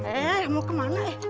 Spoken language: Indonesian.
eh mau kemana